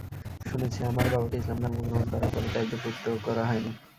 শুনেছি আমার বাবাকে ইসলাম ধর্ম গ্রহণ করার পরও ত্যাজ্যপুত্র করা হয়নি।